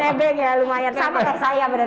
nebeng ya lumayan sama kayak saya berarti